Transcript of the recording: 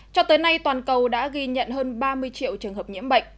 cho tới nay toàn cầu đã ghi nhận hơn ba mươi triệu trường hợp nhiễm bệnh